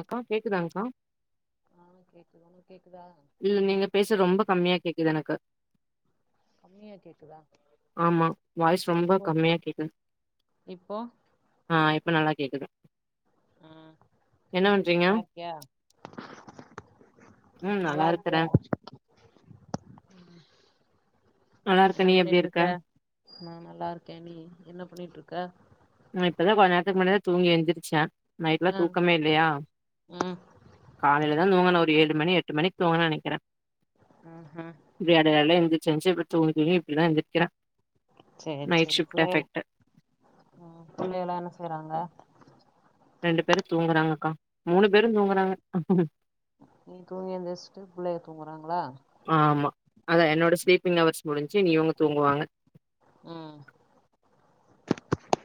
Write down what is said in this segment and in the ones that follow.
அக்கா கேக்குதாங்க்கா ஆ கேக்குது ஒனக் கேக்குதா இல்ல நீங்க பேசு ரொம்ப கம்மியா கேக்குது எனக்கு கம்மியா கேக்குதா ஆமா வாய்ஸ் ரொம்ப இப்போ கம்மியா கேக்குது இப்போ ஆ இப்ப நல்லா கேக்குது ஆ என்ன பண்றீங்க நல்லா இருக்கியா ம் நல்லா இருக்குற நல்லா இருக்கே என்ன நீ எப்டி இருக்க பண்ணிட்ருக்க நா நல்லா இருக்கே நீ என்ன பண்ணிட்ருக்க நா இப்பதா கொஞ்ச நேரத்துக்கு முன்னாடி தூங்கி எந்திரிச்ச நைட்ல்லா ஆ தூக்கமே இல்லயா ம் காலைல தா தூங்குனே ஒரு ஏழு மணி எட்டு மணிக் தூங்குன நெனைக்கிறே ம் ஹும் விடியால கால்ல எந்துச்சு எந்த்ச்சு இப்டி தூங்கி தூங்கி இப்டிதா எந்திர்க்கிறே நைட் ஷிப்ட்டு எஃபெக்ட்டு ஒ பிள்ளைலா என்ன செய்றாங்க ரெண்டு பேரு தூங்குறாங்கக்கா மூனு பேரு தூங்குறாங்க நீ தூங்கி எந்துச்ட்டு பிள்ளய தூங்குறாங்ளா ஆமா அதா என்னோட ஸ்லீப்பிங் அவர்ஸ் முடின்ச்சி இனி இவங்க தூங்குவாங்க ம்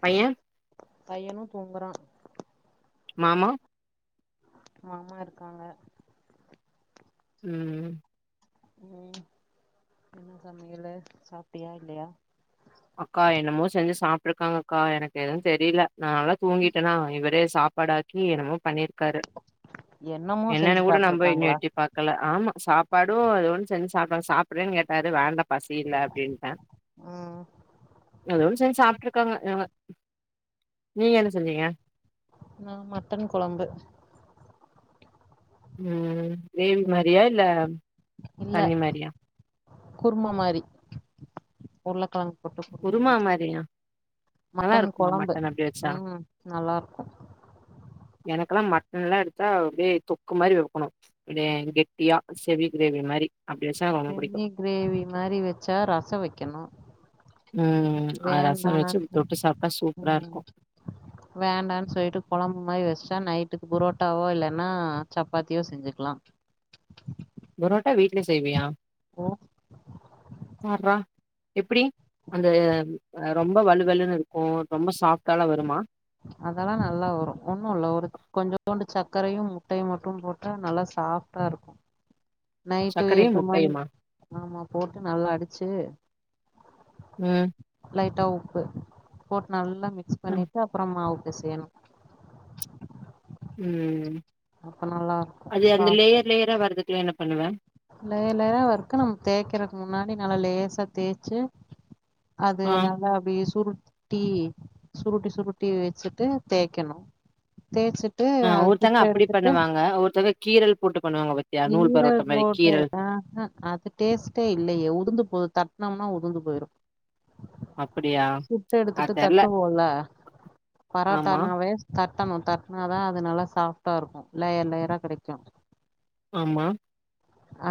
பையே பையனு தூங்குறா மாமா மாமா இருக்காங்க ம் ம் என்ன சமையலு சாப்ட்டியா இல்லயா அக்கா என்னமோ செஞ்சு சாப்ட்ருக்காங்கக்கா எனக்கெது தெரில நா நல்லா தூங்கிட்டேனா இவரே சாப்பாடா க்கி என்னமோ பண்ணிர்க்காரு என்னமோ என்னன்னு செஞ்சு கூட நா போய் இன்னு சாப்ட்ருக்காங்களா எட்டி பாக் கல ஆமா சாப்பாடு அது ஒன் செஞ்சாப்டாங்க சாப்பிறியான் கேட்டாரு வேண்டா பசி இல்ல அப்டின்ட்டே ம் எதோ ஒன் செஞ்சாப்ட்ருக்காங்க இவுங்க நீங்க என்ன செஞ்சீங்க ஆ மட்டன் கொழம்பு ம் கிரேவி மாரியா இல்ல இல்ல தண்ணி மாரியா? குருமா மாரி உர்ளக்கழங் போட்டு குருமா மாரி நல்லா மட்டன் இருக்குமா கொழம்பு மட்டன் அப்டி வச்சா? ம் நல்லாருக்கு எனக்கல்லா மட்டன்லா எடுத்தா அப்டியே தொக்கு மாரி இருக்கனு இதே கெட்டியா செவி கிரேவி மாரி அப்டி வச்சா ரொம்ப புடிக்கு செமி கிரேவி மாரி வச்சா ரசோ வெக்கனு ம் அத ரசோ வச்சு தொட்டு சாப்ட்டா சூப்பராருக்கு வேண்டான் சொல்லிட்டு கொழம்பு மாரி வச்ட்டா நைட்டுக்கு புரோட்டாவோ இல்லன்னா சப்பாத்தியோ செஞ்சுக்லா பொரோட்டா வீட்லே செய்வியா ஓ பார்றா எப்டி அந்த ரொம்ப வலுவலுனு இருக்கு ரொம்ப ஸாஃப்டாலா வருமா அதெல்லா நல்லா வரு ஒண்ணுல்ல ஒரு கொஞ்சோண்டு சக்கரையு முட்டயு மட்டு போட்டா நல்லா ஸாஃப்ட்டாருக்கு நைட்டு சக்கரையு எட்டு மணி முட்டையுமா ஆமா போட்டு நல்லா அடிச்சு ம் லைட்டா உப்பு போட்டு நல்லா மிக்ஸ் ம் பண்ணிட்டு அப்பறோ மாவு பெசயனு ம் அப்ப நல்லா இருக்கு அது அந்த சாப்ட லேயர் லேயரா வர்றதுக்குலா என்ன பண்ணுவ லேயர் லேயரா வருக்கு நம்ம தேக்கறக்கு முன்னாடி நல்லா லேசா தேச்சு அது ஆ நல்லா அப்டி சுரு ட்டி சுருட்டி சுருட்டி வச்சுட்டு தேக்கனு தேச்சு ஆ ஒவ்வொர்த்தங்க அப்டி பண்ணுவாங்க ஒவ்வொர்த்தங்க கீரல் போட்டு பண்ணுவாங்க பா கீரல் போட்டு அ ஹா அது டேஸ்டே இல்லயே உதுந்து போ தட்னம்னா உதுந்து போய்ரு அப்டியா சுட்டு அது எடுத்துட்டு தெர்ல தட்டுவோல ஆமா பரோட்டானாவே தட்டணு தட்னாதான் அது நல்லா சாஃப்டா இருக்கு லேயர் லேயரா கெடைக்கு ஆமா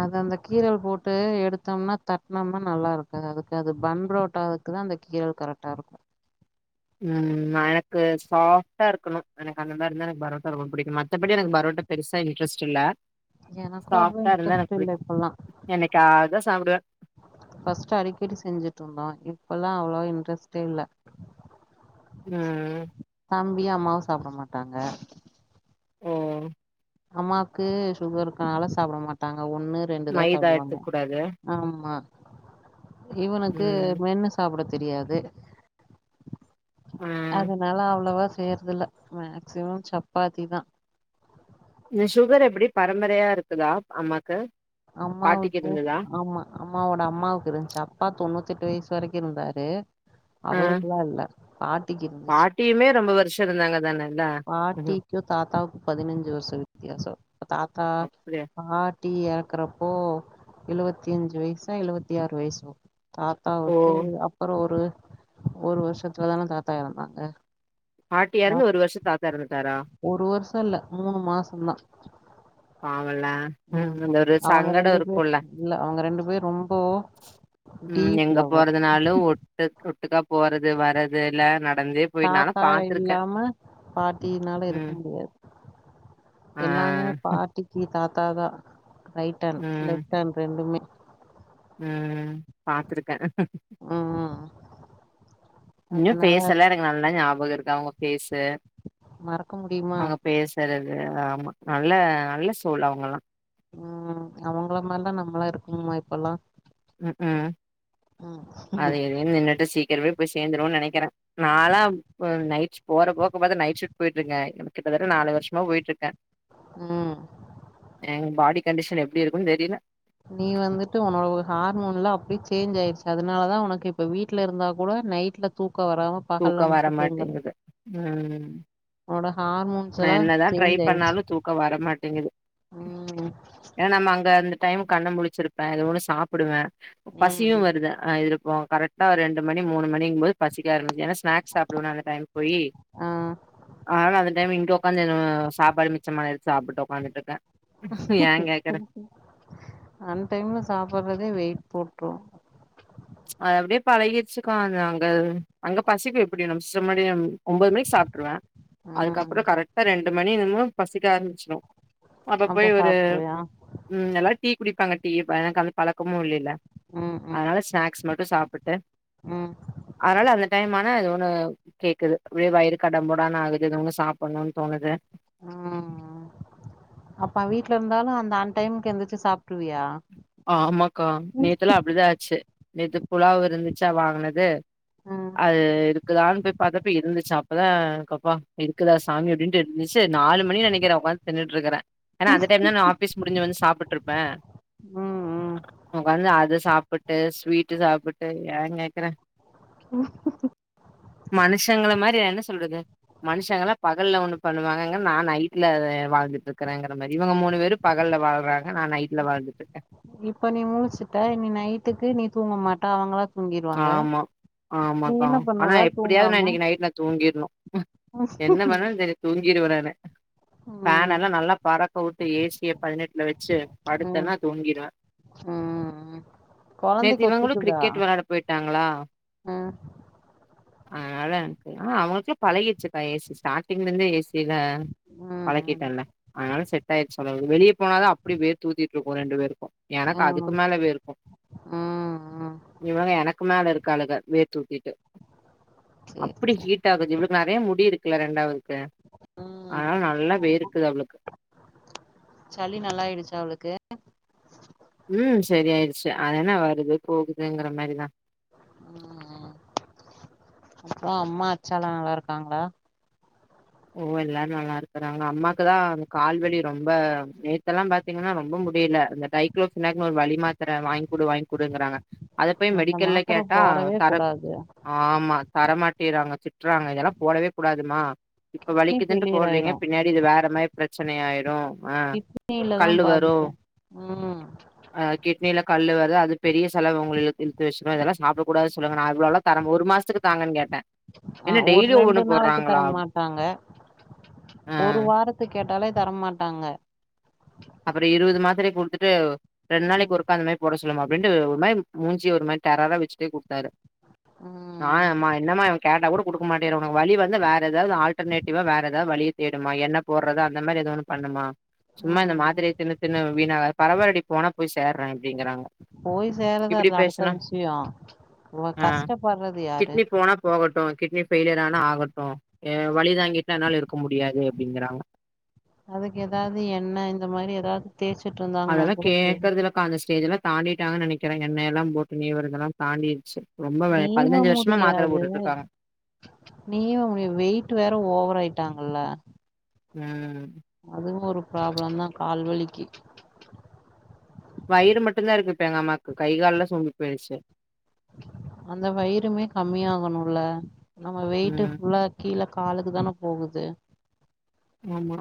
அது அந்த கீரல் போட்டு எடுத்தோம்னா தட்னம்னா நல்லா இருக்காது அதுக்கு அது பன்பரோட்டா க்கு தான் அந்த கீரல் கரெக்டா இருக்கு ம் எனக்கு சாஃப்டா இருக்கணு எனக்கு அந்த மாரி எனக்கு பரோட்டா ரொம்ப புடிக்கு மத்தபடி எனக்கு பரோட்டா பெருசா இன்ட்ரெஸ்ட் இல்ல எனக்கு அவ்ளோ சாஃப்டா இருந்தா இன்ட்ரெஸ்ட் எனக்கு இல்ல பிடிக்கு இப்பல்லா என்னேக்காவுது தா சாப்டுவே ஃபஸ்டுஅடிக்கடி செஞ்சுட்டு இருந்தோ இப்பல்லாஸஅவ்ளவா இன்ட்ரெஸ்ட்டே இல்ல ம் தம்பியு அம்மாவு சாப்ட மாட்டாங்க உம் அம்மாவுக்கு சுகர் இருக்கனால சாப்ட மாட்டாங்க ஒண்ணு ரெண்டு தான் மைதா சாப்டுவாங்க எடுத்துக் கூடாது ஆமா இவனுக்கு ம் மென்னு சாப் ட தெரியாது ஆ அதனால அவ்ளவா செய் றதுல்ல மேக்சிமம் சப்பாத்தி தான் இந்த சுகர் எப்டி பரம்பரையா இருக்குதா அம்மாக்கு பாட்டிக்கு அம்மாவுக்கும் இருந்ததா ஆமா அம்மாவோட அம்மாவுக்கு இருந்துச்சு அப்பா தொண்ணூத்தி எட்டு வயசு வரைக்கு இருந்தாரு அவருக்குலா இல்ல பாட்டிக்கு இருந்துச்சு டீமே ரொம்ப வருசோ இருந்தாங்க தானே பாட்டிக்கு தாத்தாவுக்கு பதினஞ்சு வருசோ வித்தியாசோ தாத்தா அப்டியா பா ட்டி இறக்கறப்போ எழுவத்தி அஞ்சு வயசா எழுவத்தி ஆறு வயசோ ஓ தாத்தாவுக்கு அப்புறோ ஒரு ஒரு வருஷத்துலதானே தாத்தா இறந்தாங்க பாட்டி எறந்து ஒரு வருஷம் தாத்தா இருந்துட்டாரா ஒரு வருஷோ இல்ல மூணு மாசம்தான் பாவல்ல ம் ஆமா அந்த ஒரு அவங்க சங்கடோ ரெண்டு பேர் இருக்குல்ல இல்ல அவங்க ரெண்டு பேர் ரொம்போ டீப் லவ்வர் ஓட்டுக்கா போறது வரது எல்ல நடந்தே போய் நாலா தாத்தா பாத்துருக்கே இல்லாம பாட்டினால இருக்க ம் முடியாது ஆ எல்லாமே பாட்டிக்கி தாத்தாதான் ரைட் ஹேண்ட் லெஃப்ட் ஹேண்ட் ரெண்டுமே உம் பாத்துருக்கேன் ம் இன்னு அதனால ஃபேஸ்ஸலா எனக்கு நல்ல ஞாபகம் இருக்கு அவங்க ஃபேஸு மறக்க முடியுமா அவங்க பேசுறது ஆமா நல்ல நல்ல சோல் அவுங்கலா உம் அவுங்கள மாரிலா நம்மளாம் இருக்குமா இப்பல்லா ம் அதை இதையும் தின்னுட்டு சீக்கிரமே போய் சேர்ந்துருவோன்னு நினைக்கிறே நாளா நைட் போற போக்க பாத்தா நைட் ஷூட் போயிட் இருக்கே கிட்டதட்ட நாலு வருஷமா போயிட்டு இருக்கே ம் எங்க பாடி கண்டிஷன் எப்டி இருக்குன்னு தெரில நீ வந்துட்டு உன்னோட ஹார்மோன்லா அப்டி சேஞ்ச் ஆயிருச்சு அதனாலதான் உனக்கு இப்ப வீட்ல இருந்தா கூட நைட்ல தூக்கோ வராம பகல்ல தூக்கோ மட்டு தூங்குற வரமாட்டேங்குது உம் உன்னோட ஹார்மோன்ஸ்லா சேஞ்ச் ஆயிடுச்சு பண்ணாலு தூக்க வர மாட்டேங்குது உம் ஏன்னா நம்ம அங்க அந்த டைம் கண்ண முழிச்சிருப்பே எதோ ஒன்ன சாப்டுவே ம் பசியும் வருது அஹ் இருக்கும் கரெக்டா ரெண்டு மணி மூணு மணி போதுபசிக்க ஆரம்பிக்கும் ஏனா ஸ்னேக்ஸ் சாப்பிடுவேனா அந்த டைம் போயி ஆ இப்ப உக்காந்து சாப்பாடு மிச்சமாயிடுச்சு சாப்பிட்டு உட்காந்துட்டு இருக்கேன் ஏன் கேக்றேன் அந்த டைம்ல சாப்படுறதே வெயிட் போட்ட அது அப்படியே பழகிடுச்சுக்கா அது அங்க பசிக்கும் எப்படி நம்ம சும்மனே ஒன்பது மணிக்கு சாப்பிடுருவேன் ம் அதுக்கப்புறம் கரெக்டா ரெண்டு மணிக்கு பசிக்க ஆரம்பிச்சிடும் அப்ப போய் ஒரு உம் நல்லா டீ குடிப்பாங்க டீக்கு அந்த பழக்கமும் இல்லல்ல ம் ம் அதனால ஸ்நாக்ஸ் மட்டும் சாப்பிட்டு ம் அதனால அந்த டைம் ஆனது ஒண்ணு கேக்குது அப்படியே வயிறு கடம்போடான்னு ஆகுது இது ஒன்னும் சாப்பிடணும்னு தோணுது உம் அப்ப வீட்ல இருந்தாலும் அந்த அன் டைமுக்கு எந்திரிச்சு சாப்பிடுருவியா ஆ ஆமாக்கா நேத்தெல்லாம் அப்படிதான் ஆச்சு நேத்து புலாவ் இருந்துச்சா வாங்கினது ம் அது இருக்குதான்னு போய் பார்த்தப்ப இருந்துச்சா அப்பதான் கப்பா இருக்குதா சாமி அப்படின்னுட்டு இருந்துச்சு நாலு மணி நினைக்கிறேன் உ்காந்து தின்னுட்டு இருக்கறேன் ஏனா அந்த டைம் தான் நான் ஆபீஸ் முடிஞ்ச வந்து சாப்பிட்டுருப்பேன் ம் ம் உட்காந்து அத சாப்பிட்டு ஸ்வீட்டு சாப்பிட்டு ஏன் கேக்குறேன் [inaudible] மனுஷங்கள மாதிரி என்ன சொல்றது மனுஷங்க பகல்ல ஒண்ணு பண்ணுவாங்கங்க நான் நைட்ல வாழ்ந்துட்டு இருக்கறேங்கிற மாதிரி இவங்க மூணு பேரும் பகல்லல வாழ்றாங்க நான் நைட்ல வாழ்ந்துட்டுக்கேன் இப்ப நீ முழச்சுட்ட நீ நைட்டுக்கு நீ தூங்க மாட்டா அவங்களா தூங்கிருவாங்க ஆமா நீ ஆமாக்கா என்ன பண்ணுவ ஆனா எப்படியாவது நான் தூங்காம இன்னைக்கு நைட்ல தூங்கிடணும் என்ன பண்ணலாம் சரி தூங்கிடுவேன் நானு ஃபேன் ம் எல்லாம் நல்லா பறக்க விட்டு ஏசிய பதினெட்டுல வச்சு படுத்தேன்னா தூங்கிடுவேன் உம் குழந்தைக்கு ஒத்துக்குதா தூங்கிட்டாங்களா ம் அதனால அவளுக்கெல்லாம் பழகிச்சுக்கா ஏசி ஸ்டார்டிங்ல இருந்து ஏசி ம் பழக்கிட்டேன்ல்ல அதனால செட் ஆயிருச்ச சொல்லு வெளியே போனாதான் அப்படி வேர்க்கும் ரெண்டு பேருக்கும் எனக்கு அதுக்கு ம் ம் மேல வேர்க்கும் ம் ம் இவக எனக்கு மேல இருக்காளுங்க வேர்த்துதிட்டு சேரி அப்படி ஹீட் இவளுக்கு நிறைய முடி இருக்குல்ல ரெண்டாவதுக்கு ம் அதனால நல்லா வேர்க்குது அவளுக்கு சளி நல்லாயிடுச்சு அவளுக்கு உம் சரி ஆயிடுச்சு அது என்ன வருது போகுதுங்கிற மாதிரிதான் உம் அப்புறம் அம்மா அச்சாலாம் நல்லா இருக்காங்களா ஓ எல்லாரும் நல்லா இருக்கறாங்க அம்மாக்குதான் கால்வெலி ரொம்ப நேத்தெல்லாம் பாத் பாத்தீங்கன்னா ரொம்ப முடியல இந்த டைக்ளோசினேக் ஒரு வலி மாத்திர வாங்கி கூடு வாங்க கூடுங்கிறாங்க அத போய் அந்த மெடிக்கல்ல மாத்திர கேட்டா போடவே தரக் கூடாது ஆமா தரமாட்டிறாங்க திட்டுறாங்க இதெல்லாம் போடவே கூடாதுமா இப்ப நீ வலிக்குதுன்ட்டு ஃபெயிலியர் போடுறீங்க ஆயிரு பின்னாடி இது வேற மாதிரி பிரச்சனை ஆயிரும் கிடனியில தான் பாதிக்கும் உம் ஹ கிட்னில வருது அது பெரிய செலவு உங்களுக்கு இழுத்துவச்சிரும் இதெல்லாம் சாப்பிடக் கூடாது சொல்லுங்க நான் அவ்வளவு தர ஒரு மாசத்துக்கு தாங்கன்னு கேட்டேன் ஆஹ் ஒரு ரெண்டு நாளைக்கு தரமா ஆ ஒரு வாரத்துக்கு கேட்டாலே தர மாட்டாங்க அப்புறம் இருபது மாத்திரய கொடுத்துட்டு ரெண்டு நாளைக்கு ம் ஒருக்கா அந்த மாதிரி போட சொல்லுமா அப்டின்ட்டு ஒரு மாரி மூஞ்சிய ஒரு மாரி டெரரா வச்சுட்டே குட்த்தாரு ம் ஆ ஏமா என்னம்மா இவன் கேட்டா கூட குடுக்க மாட்டேங்குற உனக்கு வலி வந்தா வேற எதாவ்து ஆல்டர் நேட்டிவா வேற எதா வழி தேடுமா என்ன போட்றது அந்த மாரி எதோ ஒன்னு பண்ணுமா சும்மா இந்த ம் மாத் திரேய தின்னு தின்னு வீணா பரவால்டி போனா போய் சேர்றே அப்டிங்குறாங்க போய் சேறதா இல்ல அடுத்த விஷியோ போ ஆ கஷ்டப்பட்றது யாரு கிட்னி போனா போகட்டு கிட்னி ஃபெய்லியர் ஆனா ஆகட்டு ஏ வலி தாங்கிட்லா என்னால இருக்க முடியாது அப்டிங்குறாங்க அதுக்கு எதாது எண்ண இந்த மாரி எதாது தேய்ச்சிட்ருந்தாங்கனா கூட தெரி கா அந்த ஸ்டேஜெல தாண்டிட்டாங்க நெனக்கிறே எண்ணயெல்லா போட்டு நீவுரதெல்லா தாண்டிர்ச்சு ரொம்ப வே நீவ பதினஞ்சு வர்ஷ்மா மாத்தர போட்டுட்ருக்காங்க நீயு வெ வெயிட்டு வேற ஓவராய்ட்டாங்கல்ல ம் அதுவு ஒரு பிராப்ளந்தா கால்வலிக்கு வயிறு மட்டுந்தா இருக்கு இப்ப எங்கம்மாக்கு கை கால்லா சூம்பி பேய்ர்ச்சு அந்த வயிறுமே கம்மியாகணுல நம்ம வெய்ட்டு ம் ஃபுல்லா கீழ காலுக்குதான போகுது ஆமா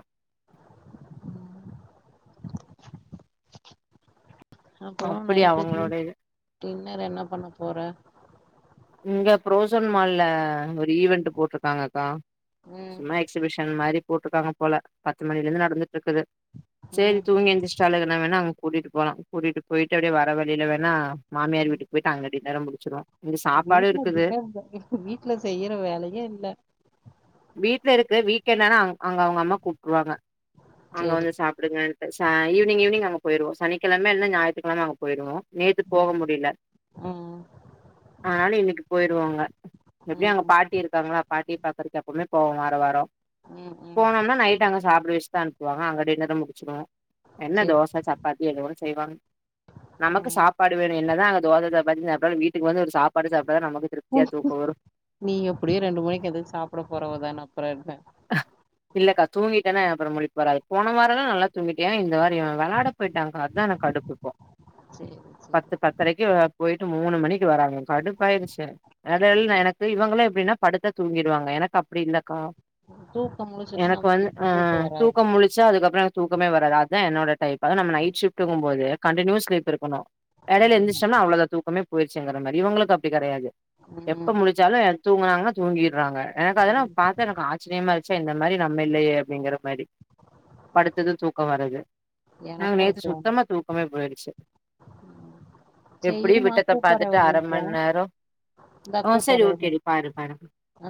அப்புறோ அப்படி நைட்டுக்கு அவங்களோட இது டின்னர் என்ன பண்ணப்போற இங்க புரோசன் மால்ல ஒரு ஈவென்ட்டு போட்ருக்காங்கக்கா ம் சும்மா எக்ஸிபிஷன் மாரி போட்ருக்காங்க போல பத்து மணிலர்ந்து நடந்துட்ருக்குது சேரி ம் தூங்கி எந்திர்ச் ச்சாலுகனா வேணா கூட்டிட்டு போலா கூட்டிட்டு போய்ட்டு அப்டியே வர வழில வேணா மாமியார் வீட்டுக்கு போய்ட்டு அங்க டின்னர முடிச்சிருவ இங்க சாப் என்ன டின்னருன் பாக்யா வீட்ல செய்யற வேலையே இல்ல வீட்ல இருக்கு வீக்கெண்டானா அங்க அவ்ங்க அம்மா கூப்ட்ருவாங்க அங்க சேரி வந்து சாப்டுங்கன் சா ஈவுனிங் ஈவுனிங் அங்க போய்ருவோ சனிக்கெழம இல்னா ஞாய்ற்றுக்கெழம அங்க போய்ருவோ நேத்து போக ம் முடில ம் அதுனால இன்னைக்கு போய்ருவோங்க எப்டியு அங்க ம் பாட்டி இருக்காங்ளா பாட்டிய பாக்கறதுக்கு எப்பமே போவோ வாரோ வாரோ ம் ம் போனோனா நை ட்டு அங்க சாப்ட வச்தா அனுப்புவாங்க அங்க டின்னர முடிச்சிடுவோ என்ன சேரி தோச சப்பாத்தி எதோ ஒன் செய்வாங்க நமக்கு ம் சாப் பாடு வேணு என்னதா அங்க தோச சப்பாத்தி சாப்டாலு வீட்டுக்கு வந்து ஒரு சாப்பாடு சாப்ட்டாதா நமக்கு திருப்தியா தூக்க வரு நீ எப்டியு ரெண்டு மணிக்கு எந்திரிச் சாப்ட போறவதான அப்புறோ என்ன இல்லக்கா தூங்கிட்டனா அப்றோ முழிப் வராது போன வாரோலா நல்லா தூங்கிட்டே இந்த வாரோ இவன் வெளாட போய்ட்டாங்க்கா அதா எனக்கு கடுப்பு இப்போ சேரி சேரி பத்து பத் தரைக்கு போய்ட்டு மூணு மணிக்கு வராங்க கடுப்பாய்டுச்சு எனக் அதால் நா எனக் கு இவங்களா எப்டினா படுத்தா தூங்கிடுவாங்க எனக்கு அப்டி இல்லக்கா தூக்கம் முழு எனக்கு வந்து அ தூக்கம் முழுச்சா அதுக்கப்றோ தூக்கமே வராது அதா என்னோட டைப் அது நம்ம நைட் ஷிப்ட்டுங்கும் போது கண்டின்யூ ஸ்லீப் இருக்குணு எடைல ஆமா எந்துச்சம்னா அவ்ளதா தூக்கமே போய்ர்ச்சுங்கிற மாரி இவுங்குளுக்கு அப்டி கெடையாது எப்ப ம் முழி ச்சாலு தூங்குனாங்கனா தூங்கிறாங்க எனக்கு அதலா பாத்தா எனக்கு ஆ ச்சிரியமா இருந்ச்சா இந்த மாரி நம்ம இல்லையே அப்டிங்கிற மாரி படுத்ததூ தூக்கோ வரது நாங்க எனக்கு அது நேத்து தோணு சுத்தமா தூக்கமே போய்டுச்சு சேரி எப்டியு இருமா விட்டத்த கூப்பட்றே பாத்துட்டு ஒரு நிமிஷோ அரமண்நேரோ இந்தா ஆ சரி கூப்பட்றே இரு ஓகே நீ பாரு பாரு ம் ஆ